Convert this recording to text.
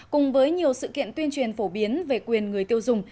cùng với nhiều sự kiện tuyên truyền phổ biến về quyền người tiêu dùng